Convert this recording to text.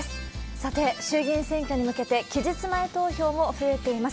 さて、衆議院選挙に向けて期日前投票も増えています。